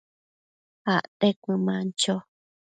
acte cuëman cho